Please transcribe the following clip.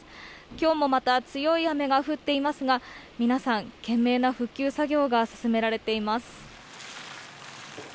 今日もまた強い雨が降っていますが皆さん、懸命な復旧作業が進められています。